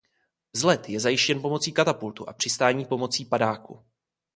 Vzlet je zajištěn pomocí katapultu a přistání pomocí padáku.